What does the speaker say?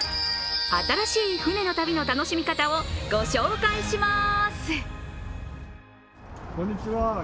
新しい船の旅の楽しみ方をご紹介します。